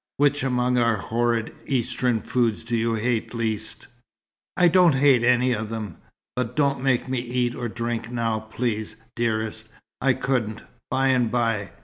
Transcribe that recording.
Which among our horrid Eastern foods do you hate least?" "I don't hate any of them. But don't make me eat or drink now, please, dearest. I couldn't. By and by.